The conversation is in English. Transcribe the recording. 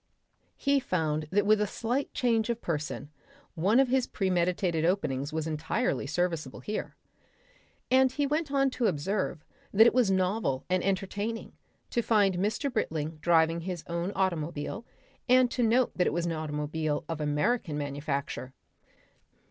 He found that with a slight change of person, one of his premeditated openings was entirely serviceable here. And he went on to observe that it was novel and entertaining to find Mr. Britling driving his own automobile and to note that it was an automobile of American manufacture.